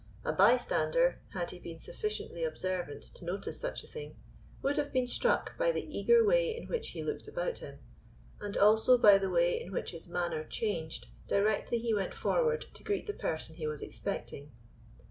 A bystander, had he been sufficiently observant to notice such a thing, would have been struck by the eager way in which he looked about him, and also by the way in which his manner changed directly he went forward to greet the person he was expecting.